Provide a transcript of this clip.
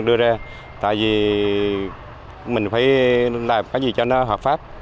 đưa ra tại vì mình phải làm cái gì cho nó hợp pháp